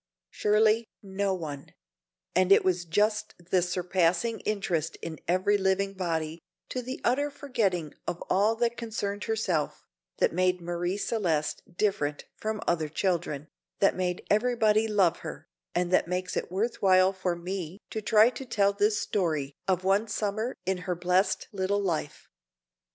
Surely no one; and it was just this surpassing interest in every living body, to the utter forgetting of all that concerned herself, that made Marie Celeste different from other children, that made everybody love her, and that makes it worth while for me to try to tell this story of one summer in her blessed little life.